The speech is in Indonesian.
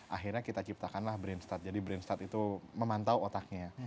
akhirnya kita ciptakanlah brainstart jadi brainstart itu memantau otaknya